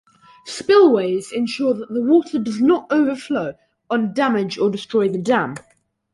Spillways ensure that the water does not overflow and damage or destroy the dam.